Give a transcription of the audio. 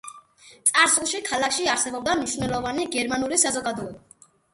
წარსულში, ქალაქში არსებობდა მნიშვნელოვანი გერმანული საზოგადოება.